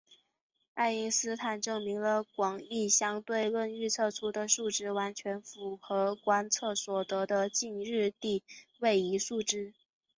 爱因斯坦证明了广义相对论预测出的数值完全符合观测所得的近日点位移数值。